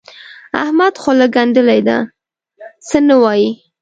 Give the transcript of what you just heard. احمد خوله ګنډلې ده؛ څه نه وايي.